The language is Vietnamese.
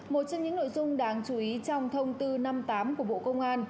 một trong những nội dung đáng chú ý trong thông tư năm mươi tám của bộ công an